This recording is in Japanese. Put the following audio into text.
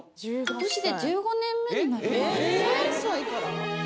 「今年で１５年目になります」